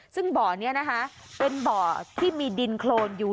ซึ่งบ่อนี้นะคะเป็นบ่อที่มีดินโครนอยู่